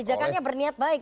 kebijakannya berniat baik